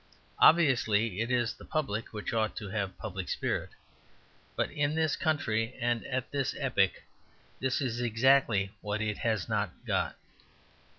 Obviously it is the public which ought to have public spirit. But in this country and at this epoch this is exactly what it has not got.